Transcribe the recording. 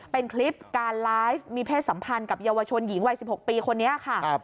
เป็นคลิปการไลฟ์มีเพศสัมพันธ์กับเยาวชนหญิงวัย๑๖ปีคนนี้ค่ะ